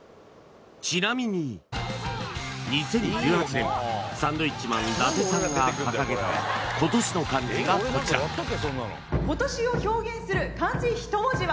ちなみに２０１８年サンドウィッチマン・伊達さんが掲げた今年の漢字がこちら今年を表現する漢字一文字は？